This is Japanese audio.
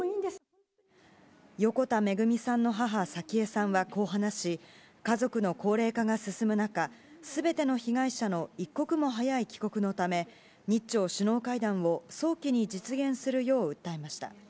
横田めぐみさんの母、早紀江さんはこう話し、家族の高齢化が進む中、すべての被害者の一刻も早い帰国のため、日朝首脳会談を早期に実現するよう訴えました。